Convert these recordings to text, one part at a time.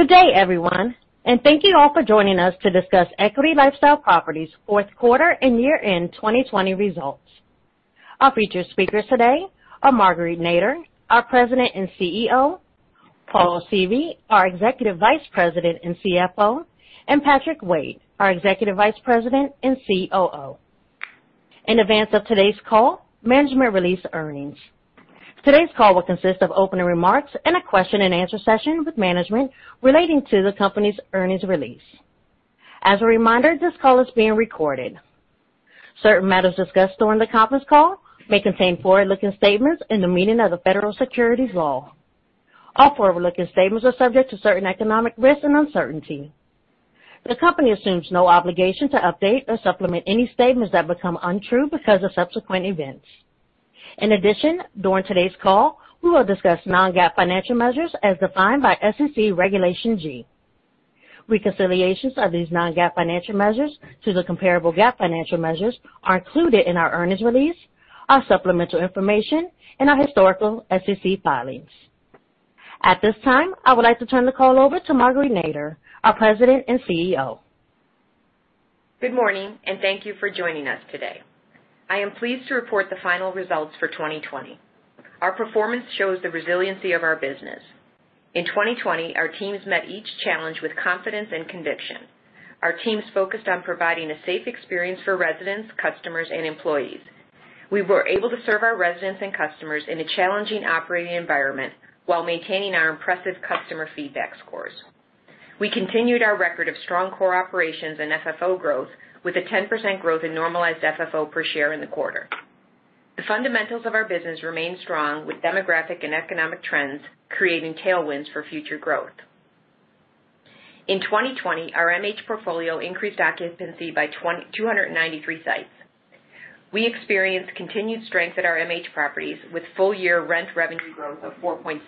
Good day everyone. and thank you all for joining us to discuss Equity LifeStyle Properties' Fourth Quarter and Year-End 2020 Results. Our featured speakers today are Marguerite Nader, our President and CEO, Paul Seavey, our Executive Vice President and CFO, and Patrick Waite, our Executive Vice President and COO. In advance of today's call, management released earnings. Today's call will consist of opening remarks and a question and answer session with management relating to the company's earnings release. As a reminder, this call is being recorded. Certain matters discussed during the conference call may contain forward-looking statements in the meaning of the Federal Securities law. All forward-looking statements are subject to certain economic risks and uncertainty. The company assumes no obligation to update or supplement any statements that become untrue because of subsequent events. In addition, during today's call, we will discuss non-GAAP financial measures as defined by SEC Regulation G. Reconciliations of these non-GAAP financial measures to the comparable GAAP financial measures are included in our earnings release, our supplemental information, and our historical SEC filings. At this time, I would like to turn the call over to Marguerite Nader, our President and CEO. Good morning, and thank you for joining us today. I am pleased to report the final results for 2020. Our performance shows the resiliency of our business. In 2020, our teams met each challenge with confidence and conviction. Our teams focused on providing a safe experience for residents, customers, and employees. We were able to serve our residents and customers in a challenging operating environment while maintaining our impressive customer feedback scores. We continued our record of strong core operations and FFO growth with a 10% growth in normalized FFO per share in the quarter. The fundamentals of our business remain strong, with demographic and economic trends creating tailwinds for future growth. In 2020, our MH portfolio increased occupancy by 293 sites. We experienced continued strength at our MH properties with full-year rent revenue growth of 4.6%.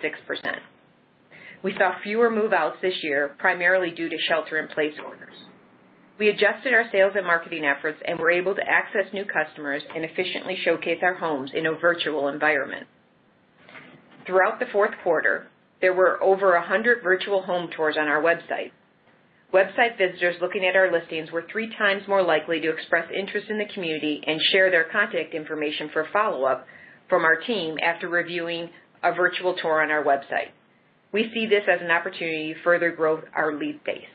We saw fewer move-outs this year, primarily due to shelter-in-place orders. We adjusted our sales and marketing efforts and were able to access new customers and efficiently showcase our homes in a virtual environment. Throughout the fourth quarter, there were over 100 virtual home tours on our website. Website visitors looking at our listings were three times more likely to express interest in the community and share their contact information for follow-up from our team after reviewing a virtual tour on our website. We see this as an opportunity to further grow our lead base.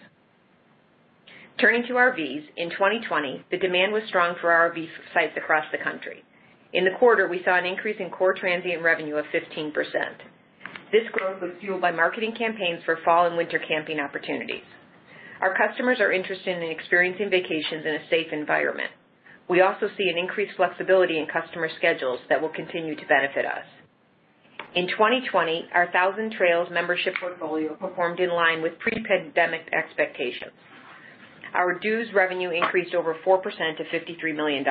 Turning to RVs, in 2020, the demand was strong for our RV sites across the country. In the quarter, we saw an increase in core transient revenue of 15%. This growth was fueled by marketing campaigns for fall and winter camping opportunities. Our customers are interested in experiencing vacations in a safe environment. We also see an increased flexibility in customer schedules that will continue to benefit us. In 2020, our Thousand Trails membership portfolio performed in line with pre-pandemic expectations. Our dues revenue increased over 4% to $53 million.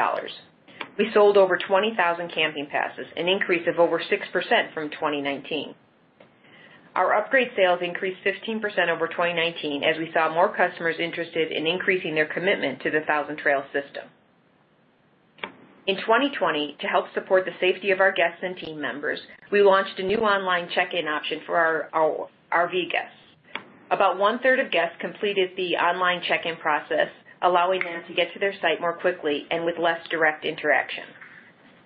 We sold over 20,000 camping passes, an increase of over 6% from 2019. Our upgrade sales increased 15% over 2019 as we saw more customers interested in increasing their commitment to the Thousand Trails system. In 2020, to help support the safety of our guests and team members, we launched a new online check-in option for our RV guests. About one-third of guests completed the online check-in process, allowing them to get to their site more quickly and with less direct interaction.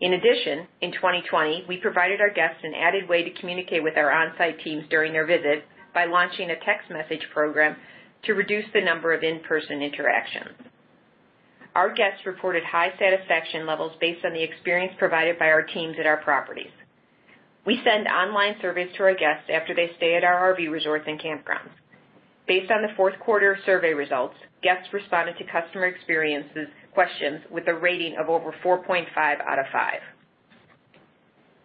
In addition, in 2020, we provided our guests an added way to communicate with our on-site teams during their visit by launching a text message program to reduce the number of in-person interactions. Our guests reported high satisfaction levels based on the experience provided by our teams at our properties. We send online surveys to our guests after they stay at our RV resorts and campgrounds. Based on the fourth quarter survey results, guests responded to customer experiences questions with a rating of over 4.5 out of five.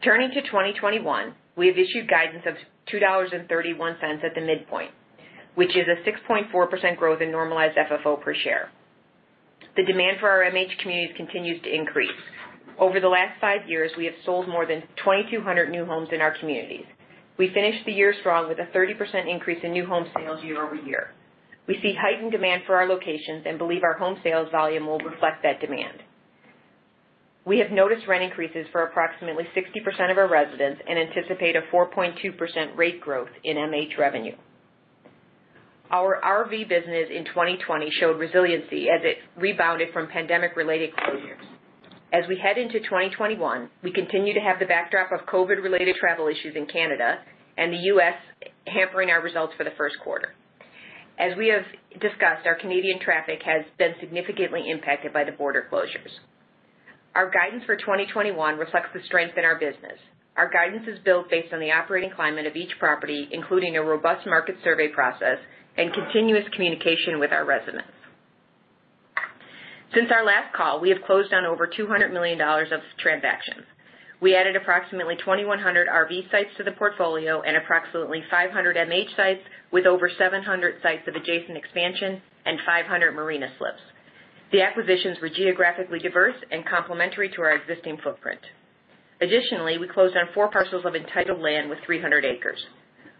Turning to 2021, we have issued guidance of $2.31 at the midpoint, which is a 6.4% growth in normalized FFO per share. The demand for our MH communities continues to increase. Over the last five years, we have sold more than 2,200 new homes in our communities. We finished the year strong with a 30% increase in new home sales year-over-year. We see heightened demand for our locations and believe our home sales volume will reflect that demand. We have noticed rent increases for approximately 60% of our residents and anticipate a 4.2% rate growth in MH revenue. Our RV business in 2020 showed resiliency as it rebounded from pandemic-related. [inaudible] As we head into 2021, we continue to have the backdrop of COVID-related travel issues in Canada and the U.S. hampering our results for the first quarter. As we have discussed, our Canadian traffic has been significantly impacted by the border closures. Our guidance for 2021 reflects the strength in our business. Our guidance is built based on the operating climate of each property, including a robust market survey process and continuous communication with our residents. Since our last call, we have closed on over $200 million of transactions. We added approximately 2,100 RV sites to the portfolio and approximately 500 MH sites with over 700 sites of adjacent expansion and 500 marina slips. The acquisitions were geographically diverse and complementary to our existing footprint. Additionally, we closed on four parcels of entitled land with 300 acres.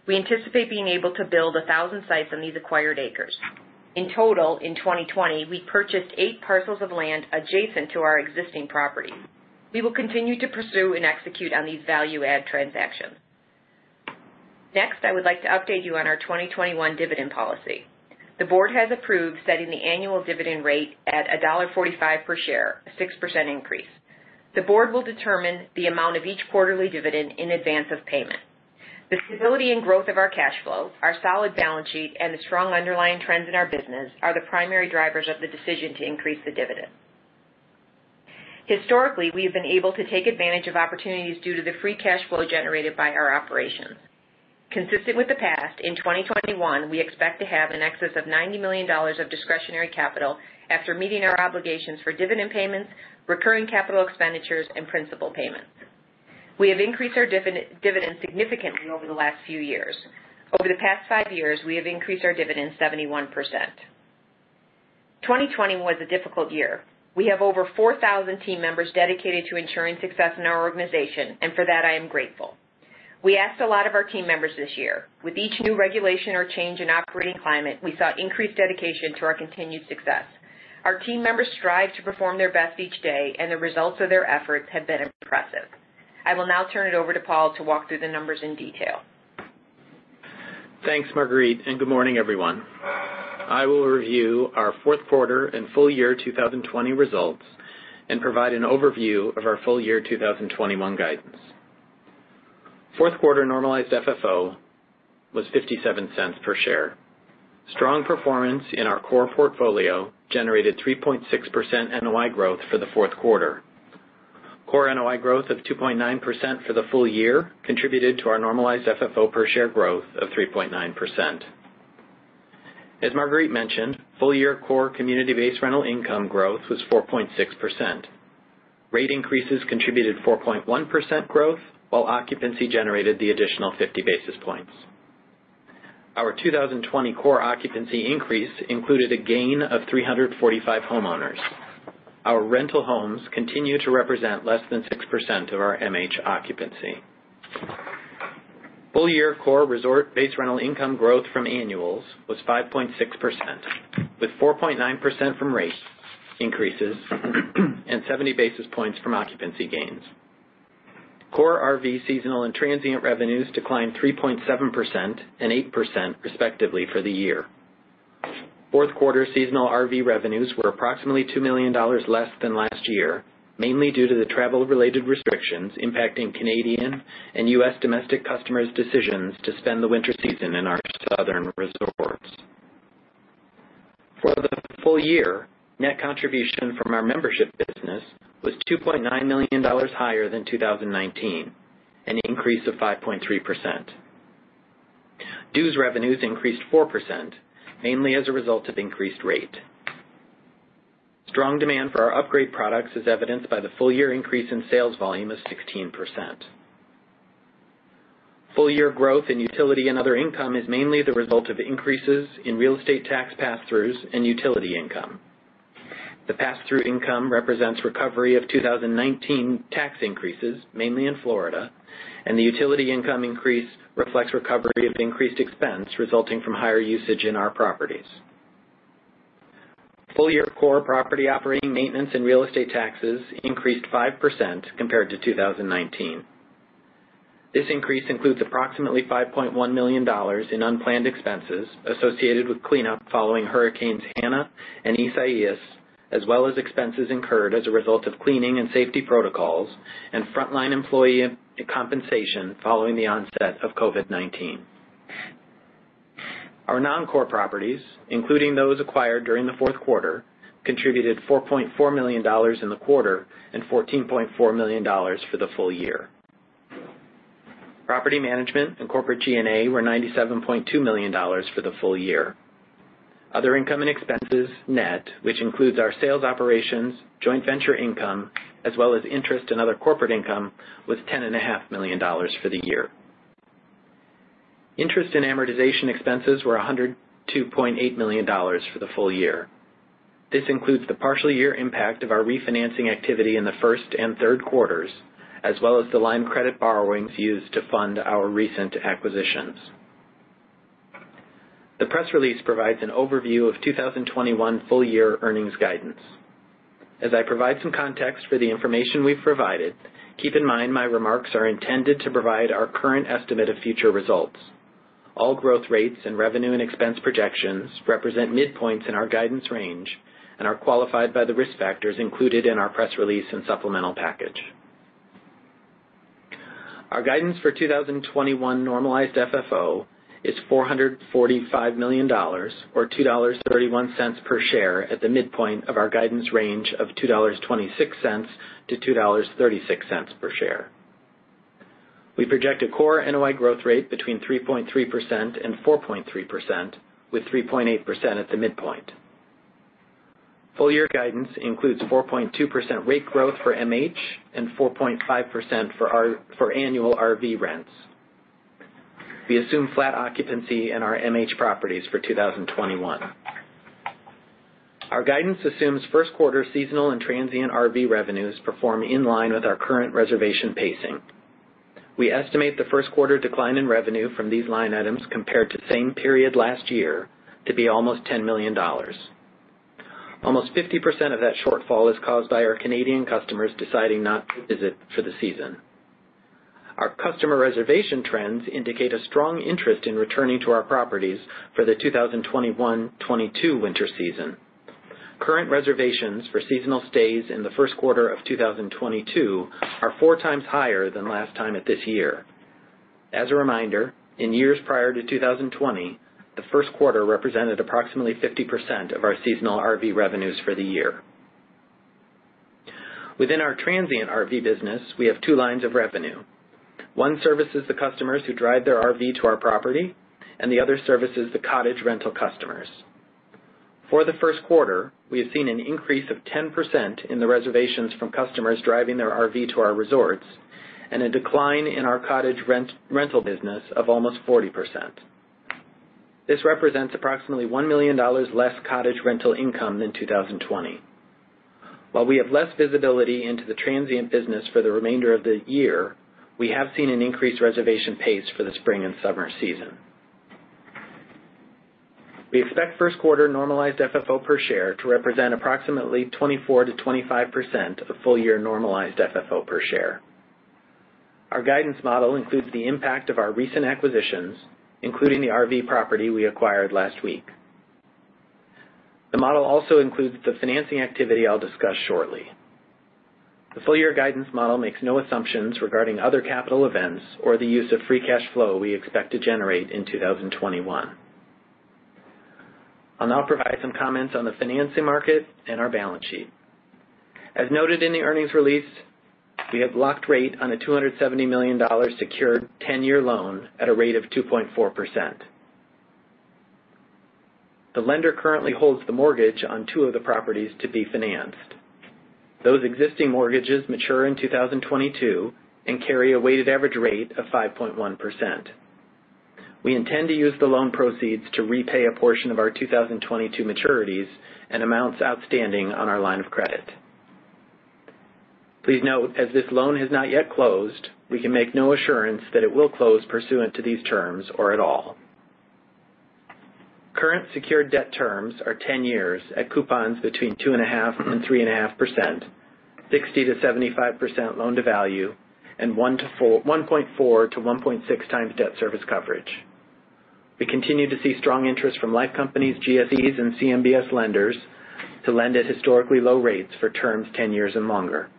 We anticipate being able to build 1,000 sites on these acquired acres. In total, in 2020, we purchased eight parcels of land adjacent to our existing properties. We will continue to pursue and execute on these value-add transactions. Next, I would like to update you on our 2021 dividend policy. The board has approved setting the annual dividend rate at $1.45 per share, a 6% increase. The board will determine the amount of each quarterly dividend in advance of payment. The stability and growth of our cash flow, our solid balance sheet, and the strong underlying trends in our business are the primary drivers of the decision to increase the dividend. Historically, we've been able to take advantage of opportunities due to the free cash flow generated by our operations. Consistent with the past, in 2021, we expect to have in excess of $90 million of discretionary capital after meeting our obligations for dividend payments, recurring capital expenditures, and principal payments. We have increased our dividend significantly over the last few years. Over the past five years, we have increased our dividend 71%. 2020 was a difficult year. We have over 4,000 team members dedicated to ensuring success in our organization, and for that, I am grateful. We asked a lot of our team members this year. With each new regulation or change in operating climate, we saw increased dedication to our continued success. Our team members strive to perform their best each day, and the results of their efforts have been impressive. I will now turn it over to Paul to walk through the numbers in detail. Thanks, Marguerite, and good morning, everyone. I will review our fourth quarter and full year 2020 results and provide an overview of our full year 2021 guidance. Fourth quarter normalized FFO was $0.57 per share. Strong performance in our core portfolio generated 3.6% NOI growth for the fourth quarter. Core NOI growth of 2.9% for the full year contributed to our normalized FFO per share growth of 3.9%. As Marguerite mentioned, full-year core community-based rental income growth was 4.6%. Rate increases contributed 4.1% growth, while occupancy generated the additional 50 basis points. Our 2020 core occupancy increase included a gain of 345 homeowners. Our rental homes continue to represent less than 6% of our MH occupancy. Full-year core resort-based rental income growth from annuals was 5.6%, with 4.9% from rate increases and 70 basis points from occupancy gains. Core RV seasonal and transient revenues declined 3.7% and 8% respectively for the year. Fourth quarter seasonal RV revenues were approximately $2 million less than last year, mainly due to the travel-related restrictions impacting Canadian and U.S. domestic customers' decisions to spend the winter season in our southern resorts. For the full year, net contribution from our membership business was $2.9 million higher than 2019, an increase of 5.3%. Dues revenues increased 4%, mainly as a result of increased rate. Strong demand for our upgrade products is evidenced by the full-year increase in sales volume of 16%. Full-year growth in utility and other income is mainly the result of increases in real estate tax pass-throughs and utility income. The pass-through income represents recovery of 2019 tax increases, mainly in Florida, and the utility income increase reflects recovery of increased expense resulting from higher usage in our properties. Full-year core property operating maintenance and real estate taxes increased 5% compared to 2019. This increase includes approximately $5.1 million in unplanned expenses associated with cleanup following Hurricanes Hanna and Isaias, as well as expenses incurred as a result of cleaning and safety protocols and frontline employee compensation following the onset of COVID-19. Our non-core properties, including those acquired during the fourth quarter, contributed $4.4 million in the quarter and $14.4 million for the full year. Property management and corporate G&A were $97.2 million for the full year. Other income and expenses net, which includes our sales operations, joint venture income, as well as interest and other corporate income, was $10.5 million for the year. Interest and amortization expenses were $102.8 million for the full year. This includes the partial year impact of our refinancing activity in the first and third quarters, as well as the line of credit borrowings used to fund our recent acquisitions. The press release provides an overview of 2021 full-year earnings guidance. As I provide some context for the information we've provided, keep in mind my remarks are intended to provide our current estimate of future results. All growth rates and revenue and expense projections represent midpoints in our guidance range and are qualified by the risk factors included in our press release and supplemental package. Our guidance for 2021 normalized FFO is $445 million, or 2.31 per share at the midpoint of our guidance range of $2.26-2.36 per share. We project a core NOI growth rate between 3.3% and 4.3%, with 3.8% at the midpoint. Full-year guidance includes 4.2% rate growth for MH and 4.5% for annual RV rents. We assume flat occupancy in our MH properties for 2021. Our guidance assumes first-quarter seasonal and transient RV revenues perform in line with our current reservation pacing. We estimate the first quarter decline in revenue from these line items compared to same period last year to be almost $10 million. Almost 50% of that shortfall is caused by our Canadian customers deciding not to visit for the season. Our customer reservation trends indicate a strong interest in returning to our properties for the 2021-2022 winter season. Current reservations for seasonal stays in the first quarter of 2022 are four times higher than last time at this year. As a reminder, in years prior to 2020, the first quarter represented approximately 50% of our seasonal RV revenues for the year. Within our transient RV business, we have two lines of revenue. One services the customers who drive their RV to our property, and the other services the cottage rental customers. For the first quarter, we have seen an increase of 10% in the reservations from customers driving their RV to our resorts and a decline in our cottage rental business of almost 40%. This represents approximately $1 million less cottage rental income than 2020. While we have less visibility into the transient business for the remainder of the year, we have seen an increased reservation pace for the spring and summer season. We expect first quarter normalized FFO per share to represent approximately 24%-25% of full-year normalized FFO per share. Our guidance model includes the impact of our recent acquisitions, including the RV property we acquired last week. The model also includes the financing activity I'll discuss shortly. The full-year guidance model makes no assumptions regarding other capital events or the use of free cash flow we expect to generate in 2021. I'll now provide some comments on the financing market and our balance sheet. As noted in the earnings release, we have locked rate on a $270 million secured 10-year loan at a rate of 2.4%. The lender currently holds the mortgage on two of the properties to be financed. Those existing mortgages mature in 2022 and carry a weighted average rate of 5.1%. We intend to use the loan proceeds to repay a portion of our 2022 maturities and amounts outstanding on our line of credit. Please note, as this loan has not yet closed, we can make no assurance that it will close pursuant to these terms or at all. Current secured debt terms are 10 years at coupons between 2.5% and 3.5%, 60% to 75% loan-to-value, and 1.4x to 1.6x debt service coverage. We continue to see strong interest from life companies, GSEs, and CMBS lenders to lend at historically low rates for terms 10 years and longer.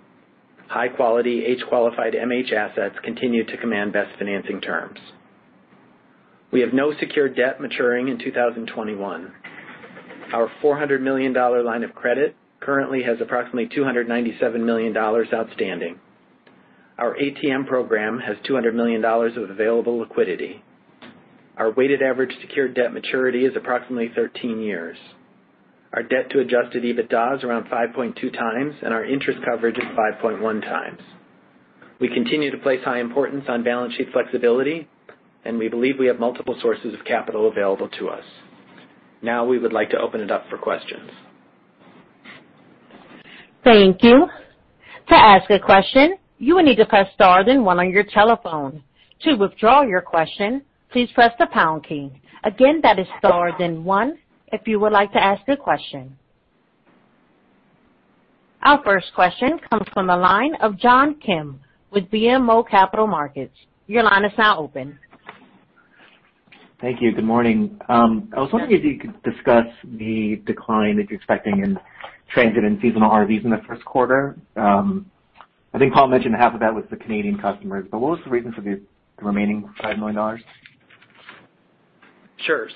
High-quality, age-qualified MH assets continue to command best financing terms. We have no secured debt maturing in 2021. Our $400 million line of credit currently has approximately $297 million outstanding. Our ATM program has $200 million of available liquidity. Our weighted average secured debt maturity is approximately 13 years. Our debt to Adjusted EBITDA is around 5.2x, and our interest coverage is 5.1x. We continue to place high importance on balance sheet flexibility, and we believe we have multiple sources of capital available to us. Now, we would like to open it up for questions. Thank you. To ask a question, you will need to press star then one on your telephone. To withdraw your question, please press the pound key. Again, that is star then one if you would like to ask a question. Our first question comes from the line of John Kim with BMO Capital Markets. Your line is now open. Thank you. Good morning. I was wondering if you could discuss the decline that you're expecting in transient and seasonal RVs in the first quarter. I think Paul mentioned half of that was the Canadian customers, but what was the reason for the remaining $5 million? Sure.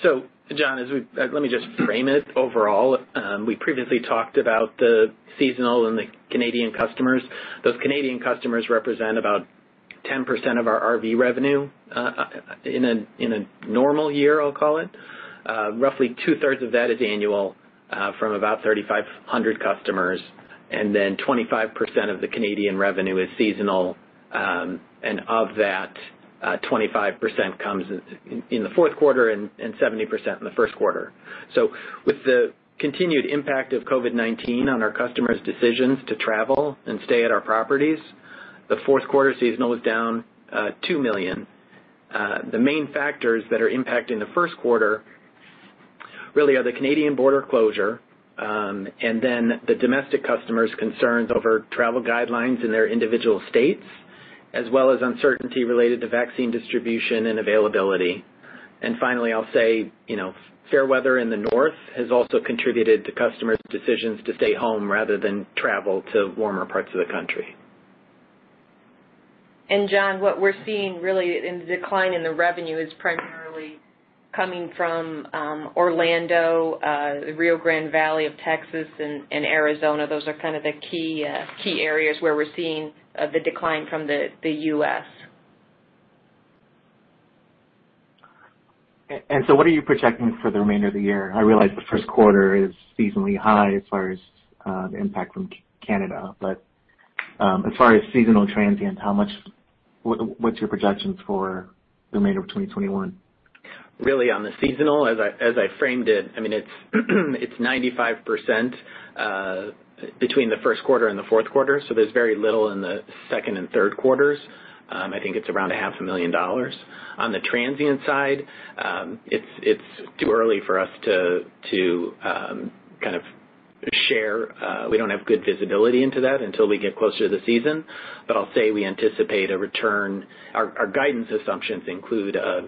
John, let me just frame it overall. We previously talked about the seasonal and the Canadian customers. Those Canadian customers represent about 10% of our RV revenue in a normal year, I'll call it. Roughly 2/3 of that is annual from about 3,500 customers, and then, 25% of the Canadian revenue is seasonal and of that, 25% comes in the fourth quarter and 70% in the first quarter. With the continued impact of COVID-19 on our customers' decisions to travel and stay at our properties, the fourth quarter seasonal was down $2 million. The main factors that are impacting the first quarter really are the Canadian border closure, the domestic customers' concerns over travel guidelines in their individual states, as well as uncertainty related to vaccine distribution and availability. And finally, I'll say, you know, fair weather in the North has also contributed to customers' decisions to stay home rather than travel to warmer parts of the country. John, what we're seeing, really, in the decline in the revenue is primarily coming from Orlando, the Rio Grande Valley of Texas, and Arizona. Those are kind of the key areas where we're seeing the decline from the U.S. What are you projecting for the remainder of the year? I realize the first quarter is seasonally high as far as the impact from Canada. As far as seasonal transient, what's your projections for the remainder of 2021? Really on the seasonal, as I framed it's 95% between the first quarter and the fourth quarter, so there's very little in the second and third quarters. I think it's around a $500,000. On the transient side, it's too early for us to share. We don't have good visibility into that until we get closer to the season. But I'll say we anticipate a return. Our guidance assumptions include a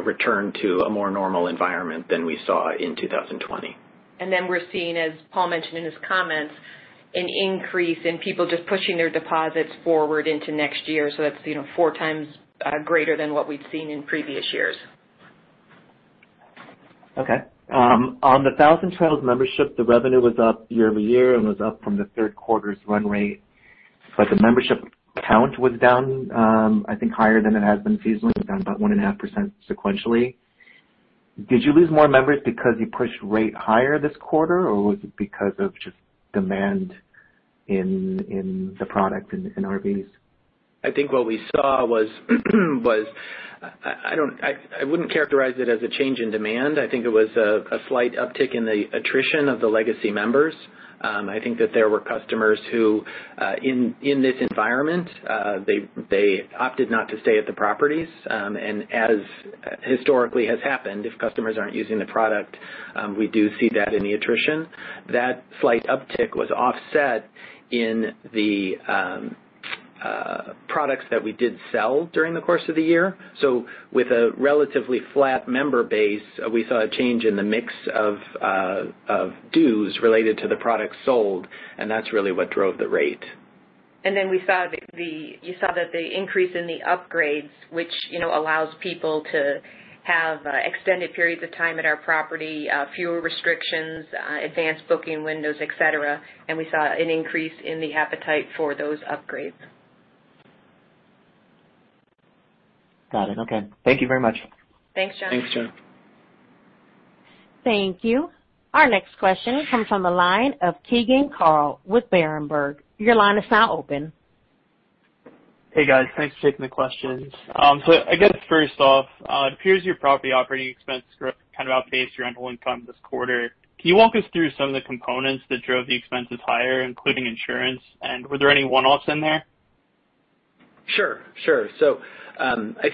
return to a more normal environment than we saw in 2020. And then we're seeing, as Paul mentioned in his comments, an increase in people just pushing their deposits forward into next year. So that, you know, that's four times greater than what we'd seen in previous years. Okay. On the Thousand Trails membership, the revenue was up year-over-year and was up from the third quarter's run rate, the membership count was down, I think, higher than it has been seasonally, down about 1.5% sequentially. Did you lose more members because you pushed rate higher this quarter, or was it because of just demand in the product in RVs? I think what we saw was, I wouldn't characterize it as a change in demand. I think it was a slight uptick in the attrition of the legacy members. I think that there were customers who, in this environment, they opted not to stay at the properties. And as historically has happened, if customers aren't using the product, we do see that in the attrition. That slight uptick was offset in the products that we did sell during the course of the year. So, with a relatively flat member base, we saw a change in the mix of dues related to the product sold, and that's really what drove the rate. And then, we saw the— you saw that the increase in the upgrades, which allows people to have extended periods of time at our property, fewer restrictions, advanced booking windows, et cetera, and we saw an increase in the appetite for those upgrades. Got it. Okay. Thank you very much. Thanks, John. Thanks, John. Thank you. Our next question comes from the line of Keegan Carl with Berenberg. Your line is now open. Hey, guys. Thanks for taking the questions. I guess first off, it appears your property operating expense growth outpaced your rental income this quarter. Can you walk us through some of the components that drove the expenses higher, including insurance? Were there any one-offs in there? Sure, sure. So, I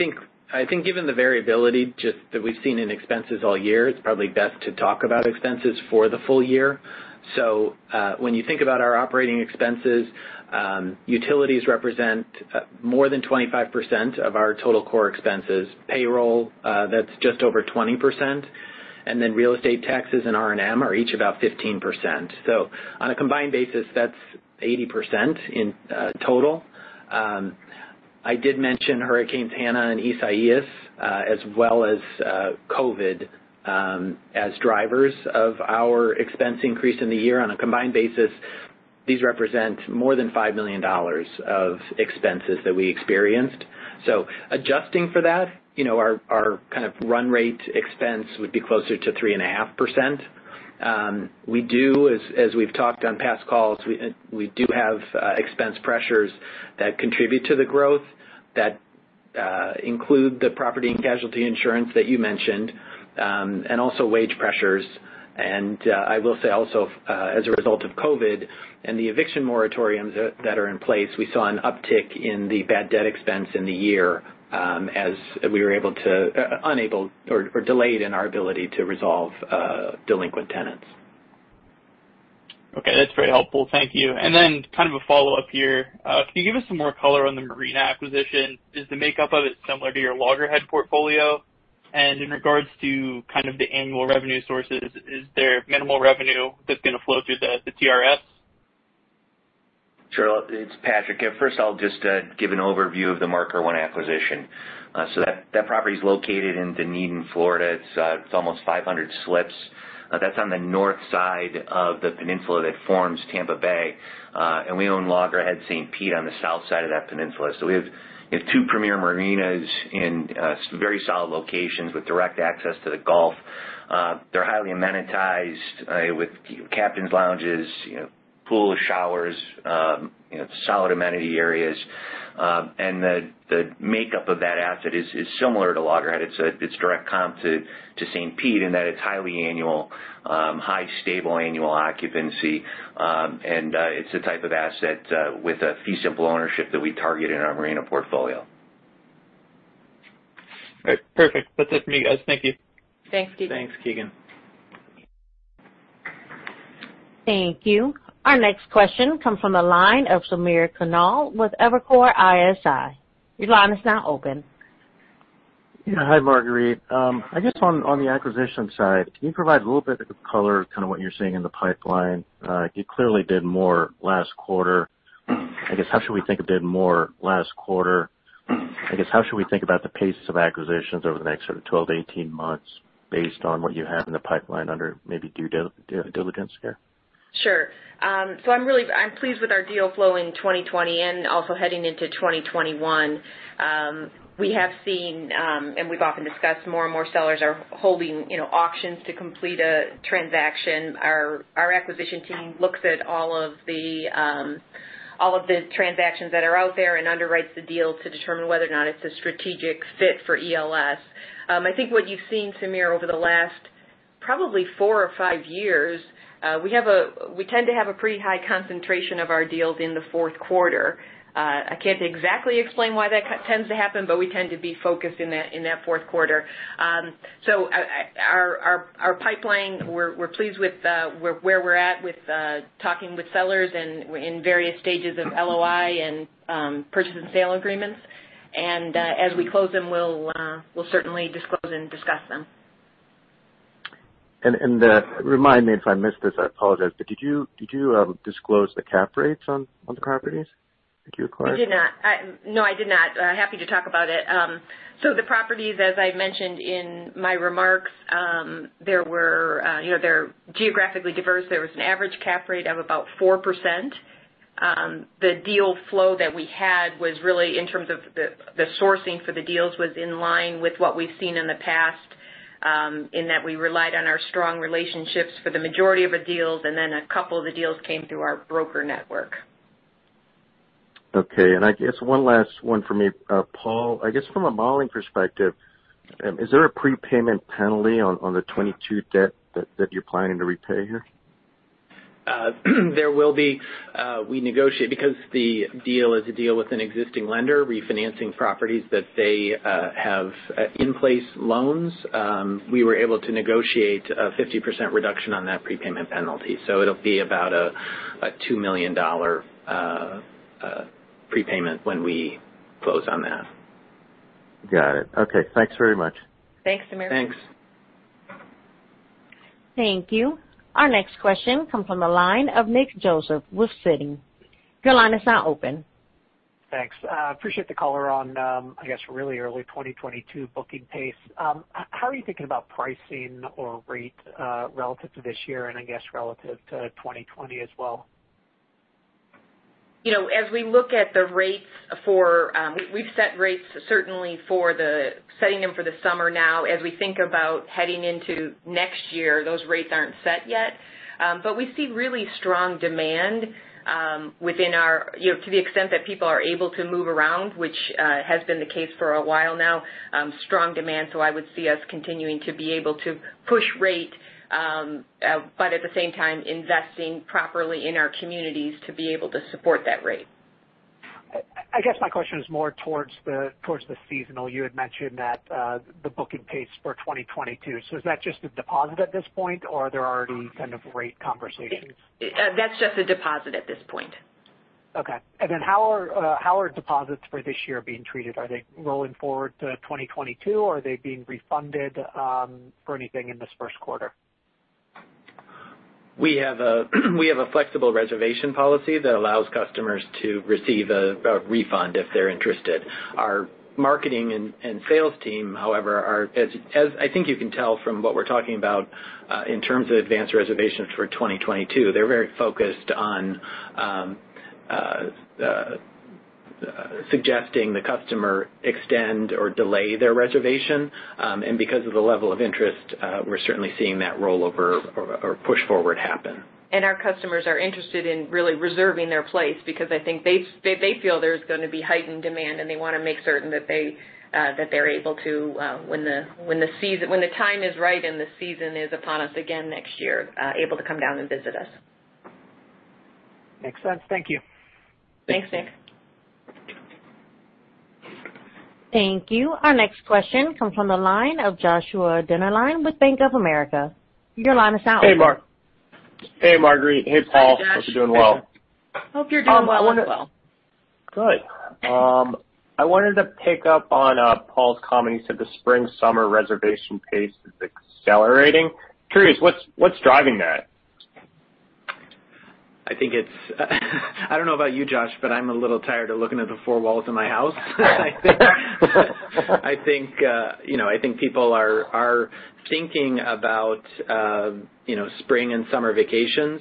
think given the variability just that we've seen in expenses all year, it's probably best to talk about expenses for the full year. So, when you think about our operating expenses, utilities represent more than 25% of our total core expenses. Payroll, that's just over 20%, and then real estate taxes and R&M are each about 15%. So, on a combined basis, that's 80% in total. I did mention Hurricanes Hanna and Isaias, as well as COVID, as drivers of our expense increase in the year. On a combined basis, these represent more than $5 million of expenses that we experienced. So, adjusting for that, our run rate expense would be closer to 3.5%. We do, as we've talked on past calls, we do have expense pressures that contribute to the growth that include the property and casualty insurance that you mentioned, and also wage pressures. And i will say also, as a result of COVID and the eviction moratoriums that are in place, we saw an uptick in the bad debt expense in the year as we were unable or delayed in our ability to resolve delinquent tenants. Okay, that's very helpful. Thank you. Then kind of a follow-up here. Can you give us some more color on the marina acquisition? Is the makeup of it similar to your Loggerhead portfolio? In regards to the annual revenue sources, is there minimal revenue that's going to flow through the TRS? Sure. It's Patrick. First, I'll just give an overview of the Marker One acquisition. So, that property is located in Dunedin, Florida. It's almost 500 slips. That's on the north side of the peninsula that forms Tampa Bay. We own Loggerhead St. Pete on the south side of that peninsula. We have two premier marinas in very solid locations with direct access to the Gulf. They're highly amenitized with captains' lounges, pools, showers, solid amenity areas. And the makeup of that asset is similar to Loggerhead. It's direct comp to St. Pete in that it's highly annual, high stable annual occupancy. It's the type of asset with a fee simple ownership that we target in our marina portfolio. Great. Perfect. That's it for me, guys. Thank you. Thanks, Keegan. Thanks, Keegan. Thank you. Our next question comes from the line of Samir Khanal with Evercore ISI. Your line is now open. Hi, Marguerite. I guess on the acquisition side, can you provide a little bit of color, kind of what you're seeing in the pipeline? You clearly did more last quarter. I guess, how should we think about the pace of acquisitions over the next sort of 12-18 months based on what you have in the pipeline under maybe due diligence here? Sure. I'm pleased with our deal flow in 2020 and also heading into 2021. We have seen, and we've often discussed, more and more sellers are holding auctions to complete a transaction. Our acquisition team looks at all of the transactions that are out there and underwrites the deal to determine whether or not it's a strategic fit for ELS. I think what you've seen, Samir, over the last, probably four or five years. We have a.. We tend to have a pretty high concentration of our deals in the fourth quarter. I can't exactly explain why that tends to happen, but we tend to be focused in that fourth quarter. Our pipeline, we're pleased with where we're at with talking with sellers and in various stages of LOI and purchase and sale agreements. As we close them, we'll certainly disclose and discuss them. Remind me if I missed this, I apologize, but did you disclose the cap rates on the properties that you acquired? I did not. No, I did not. Happy to talk about it. So the properties, as I mentioned in my remarks, they're geographically diverse. There was an average cap rate of about 4%. The deal flow that we had was really, in terms of the sourcing for the deals, was in line with what we've seen in the past, in that we relied on our strong relationships for the majority of the deals, and then a couple of the deals came through our broker network. Okay. I guess one last one from me. Paul, I guess from a modeling perspective, is there a prepayment penalty on the 2022 debt that you're planning to repay here? There will be. We negotiate, because the deal is a deal with an existing lender refinancing properties that they have in-place loans, we were able to negotiate a 50% reduction on that prepayment penalty. So it'll be about a $2 million prepayment when we close on that. Got it. Okay. Thanks very much. Thanks, Samir. Thanks. Thank you. Our next question comes from the line of Nick Joseph with Citi. Your line is now open. Thanks. Appreciate the color on, I guess, really early 2022 booking pace. How are you thinking about pricing or rate relative to this year and I guess relative to 2020 as well? You know, as we look at the rates, we've set rates certainly for the setting them for the summer now. As we think about heading into next year, those rates aren't set yet. But we see really strong demand to the extent that people are able to move around, which has been the case for a while now, strong demand. I would see us continuing to be able to push rate, but at the same time, investing properly in our communities to be able to support that rate. I guess my question is more towards the seasonal. You had mentioned that the booking pace for 2022. Is that just a deposit at this point, or are there already kind of rate conversations? That's just a deposit at this point. Okay. How are deposits for this year being treated? Are they rolling forward to 2022, or are they being refunded for anything in this first quarter? We have a.. We have a flexible reservation policy that allows customers to receive a refund if they're interested. Our marketing and sales team, however, as I think you can tell from what we're talking about in terms of advanced reservations for 2022, they're very focused on suggesting the customer extend or delay their reservation. And because of the level of interest, we're certainly seeing that rollover or push forward happen. Our customers are interested in really reserving their place because I think they feel there's going to be heightened demand, and they want to make certain that they're able to, when the time is right and the season is upon us again next year, able to come down and visit us. Makes sense. Thank you. Thanks, Nick. Thank you. Our next question comes from the line of Joshua Dennerlein with Bank of America. Your line is now open. Hey, Marguerite. Hey, Paul. Hey, Josh. Hope you're doing well. Hope you're doing well. Good. I wanted to pick up on Paul's comment. He said the spring-summer reservation pace is accelerating. Curious, what's driving that? I don't know about you, Josh, but I'm a little tired of looking at the four walls of my house. I think people are thinking about spring and summer vacations.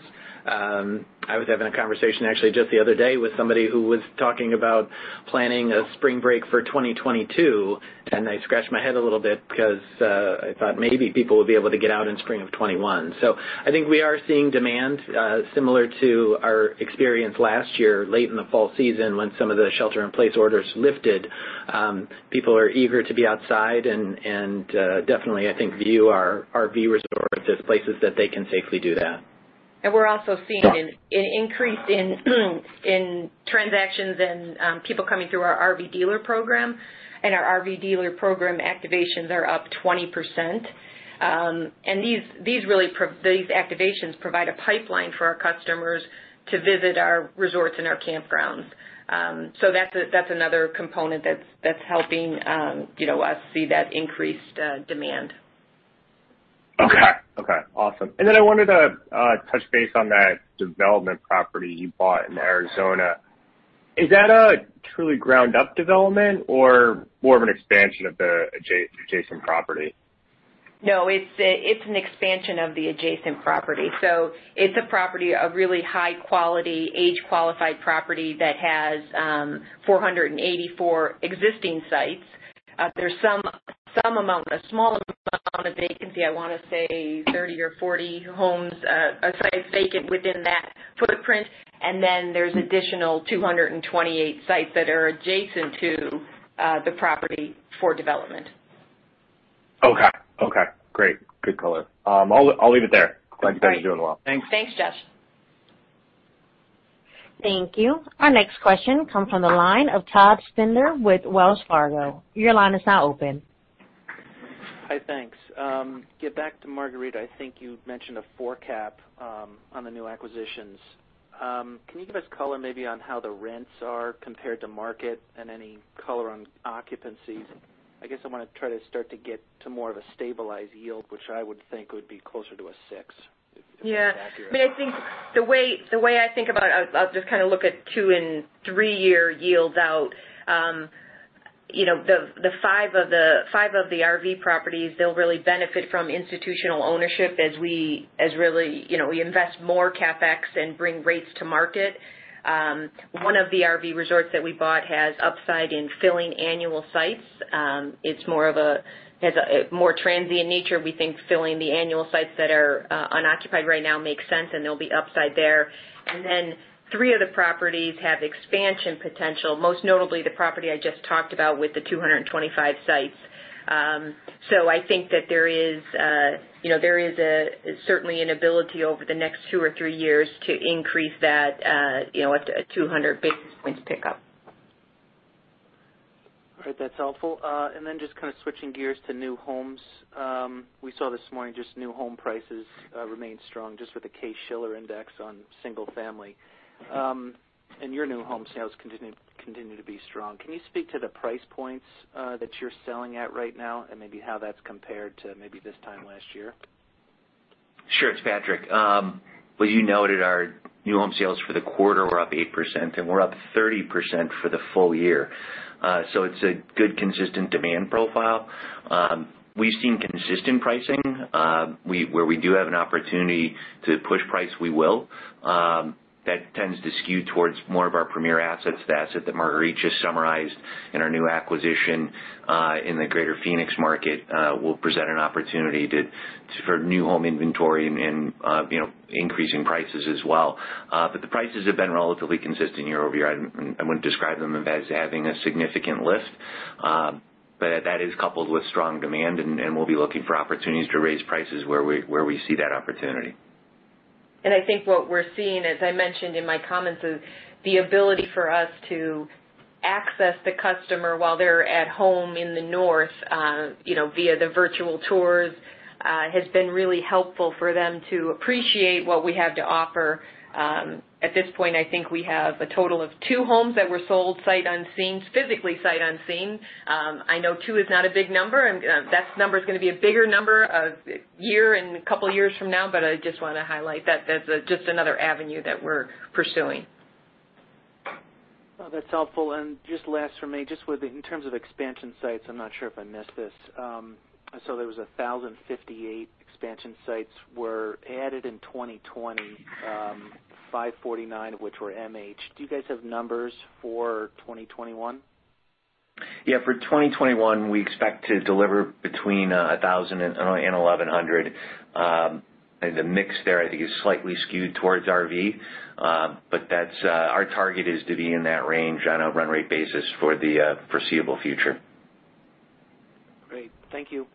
I was having a conversation, actually, just the other day with somebody who was talking about planning a spring break for 2022, and I scratched my head a little bit because I thought maybe people would be able to get out in spring of 2021. I think we are seeing demand similar to our experience last year, late in the fall season, when some of the shelter-in-place orders lifted. People are eager to be outside and definitely, I think, view our RV resorts as places that they can safely do that. And we're also seeing an increase in transactions and people coming through our RV dealer program, and our RV dealer program activations are up 20%. These activations provide a pipeline for our customers to visit our resorts and our campgrounds. So that's another component that's helping us see that increased demand. Okay. Awesome. I wanted to touch base on that development property you bought in Arizona. Is that a truly ground-up development or more of an expansion of the adjacent property? No, it's an expansion of the adjacent property. It's a property of really high quality, age-qualified property that has 484 existing sites. There's some amount, a small amount of vacancy, I want to say 30 or 40 homes of sites vacant within that footprint. There's additional 228 sites that are adjacent to the property for development. Okay. Great. Good color. I'll leave it there. Glad you guys are doing well. Thanks. Thanks, Josh. Thank you. Our next question comes from the line of Todd Stender with Wells Fargo. Your line is now open. Hi, thanks. Get back to Marguerite. I think you mentioned a four-cap on the new acquisitions. Can you give us color maybe on how the rents are compared to market and any color on occupancies? I guess I want to try to start to get to more of a stabilized yield, which I would think would be closer to a six. Yeah. Maybe the way, the way I think about it, I'll just kind of look at two and three-year yields out. You know, the five of the—five RV properties, they'll really benefit from institutional ownership as we invest more CapEx and bring rates to market. One of the RV resorts that we bought has upside in filling annual sites. It has a more transient nature. We think filling the annual sites that are unoccupied right now makes sense, and there'll be upside there. Three of the properties have expansion potential, most notably the property I just talked about with the 225 sites. So I think that there is, you know, there is a certainly an ability over the next two or three years to increase that at a 200 basis points pickup. All right, that's helpful. Just kind of switching gears to new homes. We saw this morning just new home prices remain strong, just with the Case-Shiller index on single family. Your new home sales continue to be strong. Can you speak to the price points that you're selling at right now and maybe how that's compared to maybe this time last year? Sure. It's Patrick. Well, you noted our new home sales for the quarter were up 8%, and we're up 30% for the full year. It's a good, consistent demand profile. We've seen consistent pricing. Where we do have an opportunity to push price, we will. That tends to skew towards more of our premier assets. The asset that Marguerite just summarized in our new acquisition in the greater Phoenix market will present an opportunity for new home inventory and increasing prices as well. The prices have been relatively consistent year-over-year. I wouldn't describe them as having a significant lift. That is coupled with strong demand, and we'll be looking for opportunities to raise prices where we see that opportunity. And I think what we're seeing, as I mentioned in my comments, is the ability for us to access the customer while they're at home in the north via the virtual tours has been really helpful for them to appreciate what we have to offer. At this point, I think we have a total of two homes that were sold sight unseen, physically sight unseen. I know two is not a big number, and that number is going to be a bigger number a year and a couple of years from now, but I just want to highlight that that's just another avenue that we're pursuing. Well, that's helpful. Just last for me, just in terms of expansion sites, I'm not sure if I missed this. I saw there was 1,058 expansion sites were added in 2020, 549 of which were MH. Do you guys have numbers for 2021? Yeah. For 2021, we expect to deliver between 1,000 and 1,100. The mix there, I think, is slightly skewed towards RV. Our target is to be in that range on a run rate basis for the foreseeable future. Great. Thank you.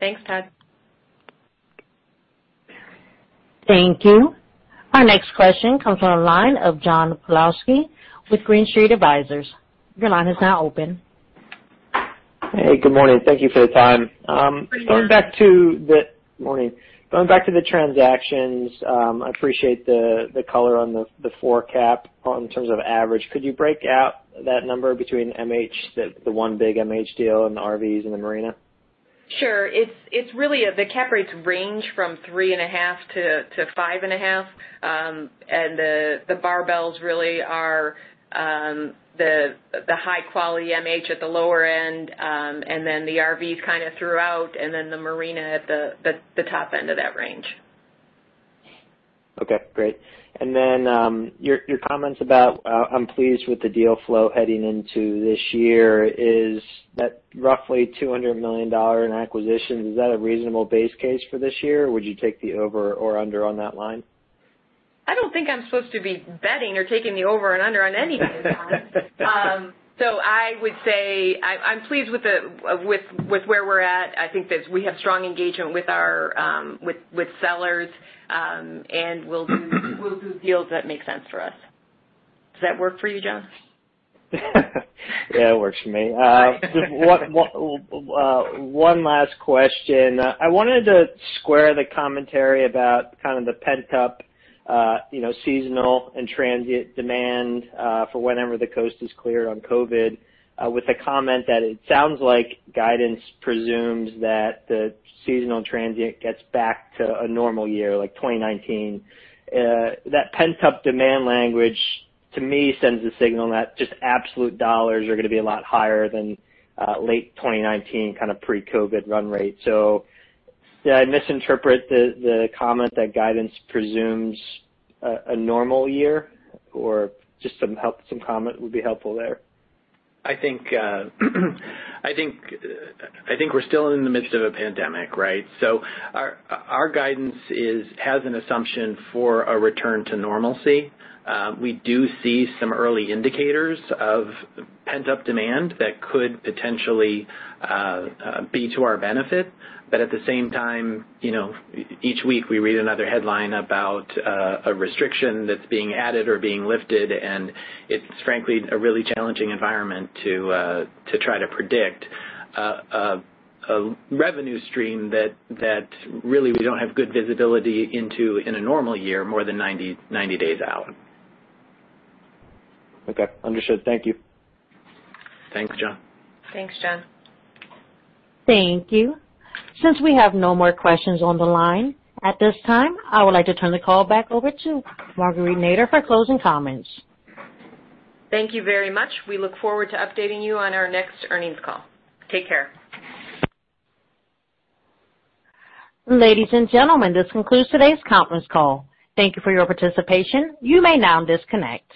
Thanks, Todd. Thank you. Our next question comes on the line of John Pawlowski with Green Street Advisors. Your line is now open. Hey, good morning. Thank you for the time. Good morning. Going back to the transactions, I appreciate the color on the four-cap on terms of average. Could you break out that number between MH, the one big MH deal, and the RVs and the marina? Sure. It's, it's really the Cap rates range from 3.5 to 5.5. The barbells really are the high-quality MH at the lower end, and then the RVs kind of throughout, and then the marina at the top end of that range. Okay, great. Your comments about I'm pleased with the deal flow heading into this year. Is that roughly $200 million in acquisitions? Is that a reasonable base case for this year, or would you take the over or under on that line? I don't think I'm supposed to be betting or taking the over and under on anything, John. So I would say, I'm pleased with where we're at. I think that we have strong engagement with sellers, and we'll do deals that make sense for us. Does that work for you, John? Yeah, it works for me. One last question. I wanted to square the commentary about kind of the pent-up seasonal and transient demand for whenever the coast is clear on COVID with the comment that it sounds like guidance presumes that the seasonal transient gets back to a normal year, like 2019. That pent-up demand language, to me, sends a signal that just absolute dollars are going to be a lot higher than late 2019, kind of pre-COVID run rate. Did I misinterpret the comment that guidance presumes a normal year, or just some comment would be helpful there? I think we're still in the midst of a pandemic, right? Our guidance has an assumption for a return to normalcy. We do see some early indicators of pent-up demand that could potentially be to our benefit. At the same time, each week we read another headline about a restriction that's being added or being lifted, and it's frankly a really challenging environment to try to predict a revenue stream that really we don't have good visibility into in a normal year more than 90 days out. Okay. Understood. Thank you. Thanks, John. Thanks, John. Thank you. Since we have no more questions on the line at this time, I would like to turn the call back over to Marguerite Nader for closing comments. Thank you very much. We look forward to updating you on our next earnings call. Take care. Ladies and gentlemen, this concludes today's conference call. Thank you for your participation. You may now disconnect.